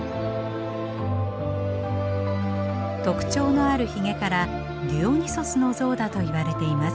特徴のある髭からディオニュソスの像だといわれています。